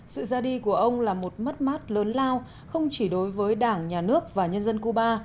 sự ra đi của ông là một mất mát lớn lao không chỉ đối với đảng nhà nước và nhân dân cuba